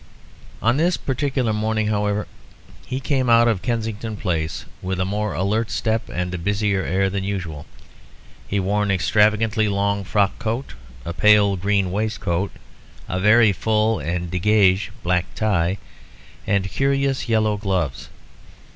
On this particular morning, however, he came out of Kensington Palace with a more alert step and a busier air than usual. He wore an extravagantly long frock coat, a pale green waistcoat, a very full and dégagé black tie, and curious yellow gloves.